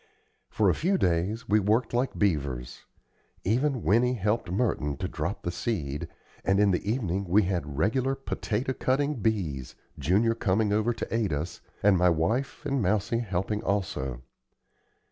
For a few days we worked like beavers. Even Winnie helped Merton to drop the seed; and in the evening we had regular potato cutting "bees," Junior coming over to aid us, and my wife and Mousie helping also.